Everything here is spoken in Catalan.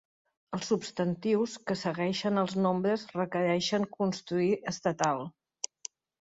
Els substantius que segueixen els nombres requereixen construir estatal.